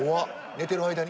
寝てる間に？